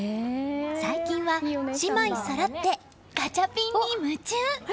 最近は、姉妹そろってガチャピンに夢中！